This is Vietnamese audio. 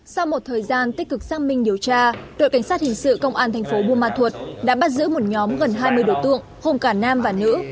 sau một thời gian tích cực sang minh điều tra đội cảnh sát hình sự công an thành phố bumathua đã bắt giữ một nhóm gần hai mươi đối tượng hôm cả nam và nữ